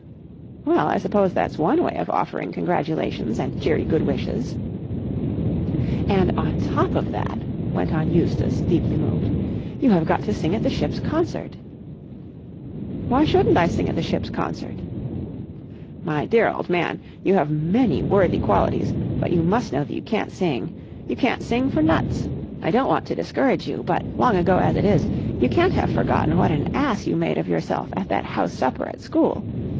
"Well, I suppose that's one way of offering congratulations and cheery good wishes." "And on top of that," went on Eustace, deeply moved, "you have got to sing at the ship's concert." "Why shouldn't I sing at the ship's concert?" "My dear old man, you have many worthy qualities, but you must know that you can't sing. You can't sing for nuts! I don't want to discourage you, but, long ago as it is, you can't have forgotten what an ass you made of yourself at that house supper at school.